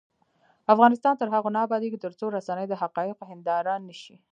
افغانستان تر هغو نه ابادیږي، ترڅو رسنۍ د حقایقو هنداره نشي.